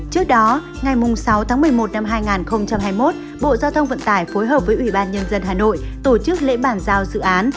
trước đó ngày sáu tháng một mươi một năm hai nghìn hai mươi một bộ giao thông vận tải phối hợp với ủy ban nhân dân hà nội tổ chức lễ bàn giao dự án